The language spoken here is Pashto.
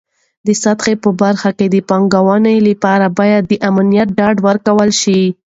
د سیاحت په برخه کې د پانګونې لپاره باید د امنیت ډاډ ورکړل شي.